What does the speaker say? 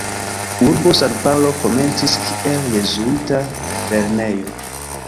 Urbo San-Paŭlo komencis kiel jezuita lernejo.